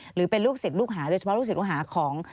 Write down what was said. หรือเป็นลูกศิษย์ลูกหาโดยเฉพาะลูกศิษย์ลูกหาของ